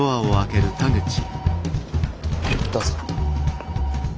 どうぞ。